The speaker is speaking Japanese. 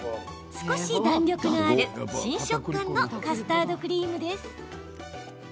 少し弾力のある新食感のカスタードクリームです。